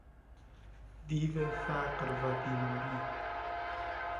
دیو فقر و بیماری